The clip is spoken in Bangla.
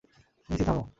মেইসি, থামো!